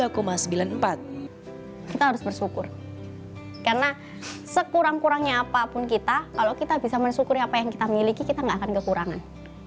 kita harus bersyukur karena sekurang kurangnya apapun kita kalau kita bisa mensyukuri apa yang kita miliki kita gak akan kekurangan